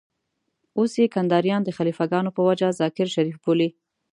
اوس يې کنداريان د خليفه ګانو په وجه ذاکر شريف بولي.